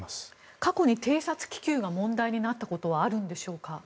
過去に偵察気球が問題になったことはあるんでしょうか。